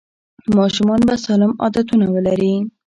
ماشومان به سالم عادتونه ولري.